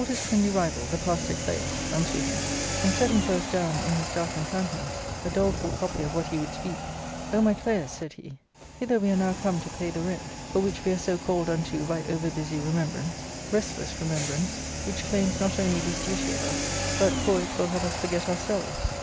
ii friendly rival the pastor Claius unto him ; and, *i;tttii\f first down in his darkened countenance a doleful :o| A "f wLat he would speak, " O my Claius," said he, "hither rvc uie iiow come to pay the rent for which we are so called jn'" fn over busy remembrance ; remembrance, restless ,..'^< n 1 I lice, which claims hot only this duty of us, but for ,?v . n vc us forget ourselves.